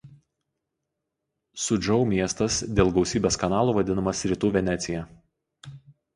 Sudžou miestas dėl gausybės kanalų vadinamas „Rytų Venecija“.